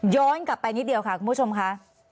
กลับไปนิดเดียวค่ะคุณผู้ชมค่ะ